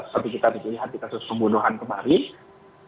seperti kita lihat di kasus pembunuhan kemarin